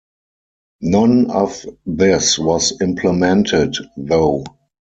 None of this was implemented, though.